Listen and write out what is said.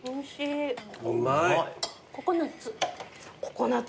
ココナッツ。